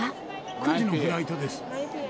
９時のフライトです。